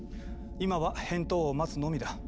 今は返答を待つのみだ。